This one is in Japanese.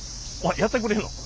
やってくれんの？